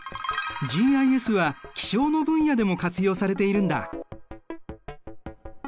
ＧＩＳは気象の分野でも活用されているんだ。